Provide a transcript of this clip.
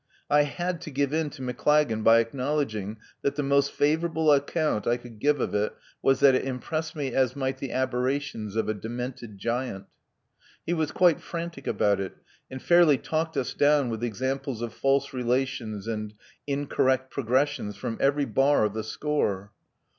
I had to give in to Maclagan by acknowledg ing that the most favorable account I could give of it was that it impressed me as might the aberrations of a demented giant. He was quite frantic about it, and fairly talked us down with examples of false relations and incorrect progressions from every bar of the score.